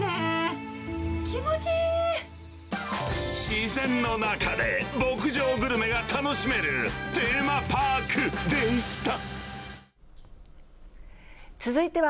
自然の中で牧場グルメが楽しめるテーマパークでした。